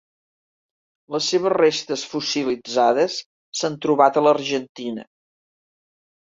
Les seves restes fossilitzades s'han trobat a l'Argentina.